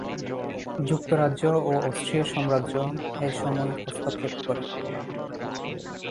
যুক্তরাজ্য ও অস্ট্রীয় সাম্রাজ্য এসময় হস্তক্ষেপ করে।